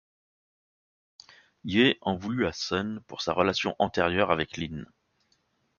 Ye en voulut à Sun pour sa relation antérieure avec Lin.